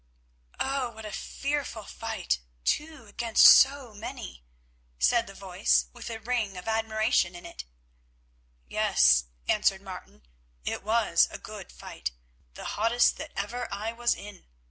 "Oh! what a fearful fight—two against so many," said the voice with a ring of admiration in it. "Yes," answered Martin, "it was a good fight—the hottest that ever I was in.